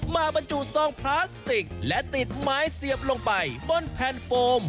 บรรจุซองพลาสติกและติดไม้เสียบลงไปบนแผ่นโฟม